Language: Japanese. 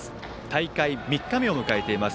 大会３日目を迎えています